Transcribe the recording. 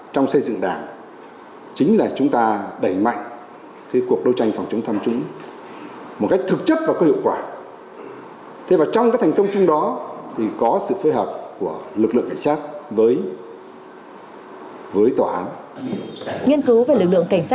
trong xây dựng đảng chính là chúng ta đẩy mạnh cuộc đấu tranh phòng chống tham nhũng một cách thực chất và có hiệu quả